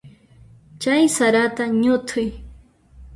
Chay sarata ñut'uy.